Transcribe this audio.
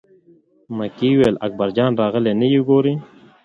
مکۍ وویل: اکبر جان راغلی نه یې ګورې.